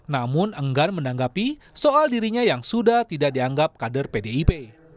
namun enggan menanggapi soal dirinya yang sudah tidak dianggap kader pdip